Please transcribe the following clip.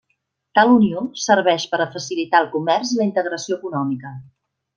Tal unió serveix per a facilitar el comerç i la integració econòmica.